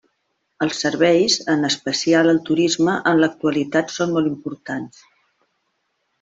Els serveis, en especial, el turisme en l'actualitat són molt importants.